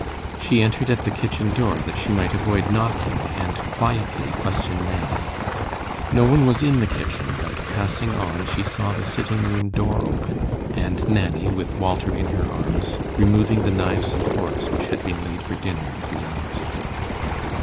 She entered at the kitchen door that she might avoid knocking, and quietly question Nanny. No one was in the kitchen, but, passing on, she saw the sitting room door open, and Nanny, with Walter in her arms, removing the knives and forks, which had been laid for dinner three hours ago.